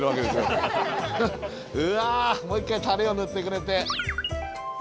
うわもう一回タレを塗ってくれて。